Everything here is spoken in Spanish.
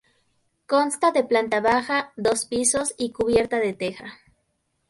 Consta de planta baja, dos pisos y cubierta de teja.